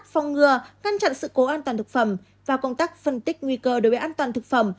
phòng ngừa ngăn chặn sự cố an toàn thực phẩm và công tác phân tích nguy cơ đối với an toàn thực phẩm